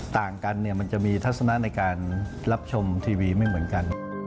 ต่างกันเนี่ยมันจะมีทัศนะในการรับชมทีวีไม่เหมือนกัน